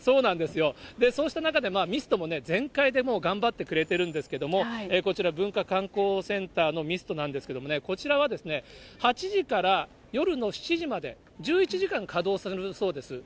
そうなんですよ、そうした中でミストも全開で頑張ってくれてるんですけれども、こちら、文化観光センターのミストなんですけどもね、こちらは８時から夜の７時まで、１１時間稼働するそうです。